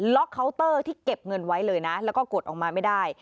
เคาน์เตอร์ที่เก็บเงินไว้เลยนะแล้วก็กดออกมาไม่ได้